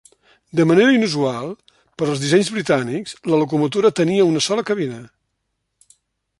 De manera inusual, per als dissenys britànics, la locomotora tenia una sola cabina.